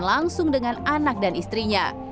dan langsung dengan anak dan istrinya